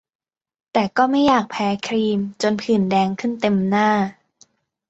แต่ก็ไม่อยากแพ้ครีมจนผื่นแดงขึ้นเต็มหน้า